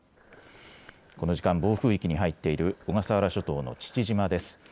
この時間、暴風域に入っている小笠原諸島の父島です。